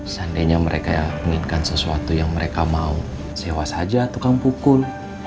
seandainya mereka yang menginginkan sesuatu yang mereka mau sewa saja tukang pukul